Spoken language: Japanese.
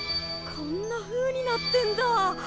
こんなふうになってんだぁ！